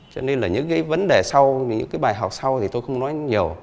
cho nên là những cái vấn đề sau những cái bài học sau thì tôi không nói nhiều